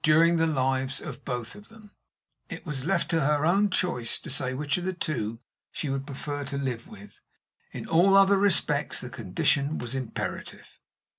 During the lives of both of them, it was left to her own choice to say which of the two she would prefer to live with. In all other respects the condition was imperative.